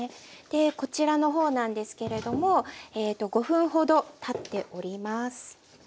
こちらの方なんですけれどもえっと５分ほどたっております。